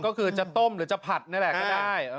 ก็คือจะต้มหรือจะผัดนั่นแหละก็ได้